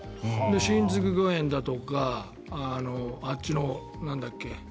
新宿御苑だとかあっちの、なんだっけ？